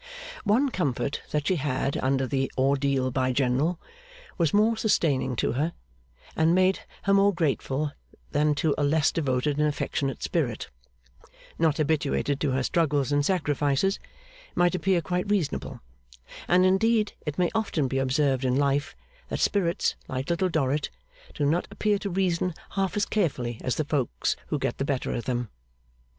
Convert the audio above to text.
One comfort that she had under the Ordeal by General was more sustaining to her, and made her more grateful than to a less devoted and affectionate spirit, not habituated to her struggles and sacrifices, might appear quite reasonable; and, indeed, it may often be observed in life, that spirits like Little Dorrit do not appear to reason half as carefully as the folks who get the better of them.